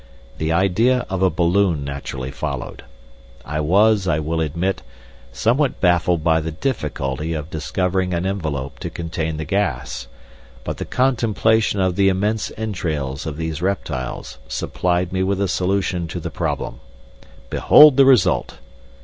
The idea of a balloon naturally followed. I was, I will admit, somewhat baffled by the difficulty of discovering an envelope to contain the gas, but the contemplation of the immense entrails of these reptiles supplied me with a solution to the problem. Behold the result!"